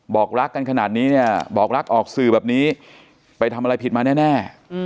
บอกรักกันขนาดนี้เนี่ยบอกรักออกสื่อแบบนี้ไปทำอะไรผิดมาแน่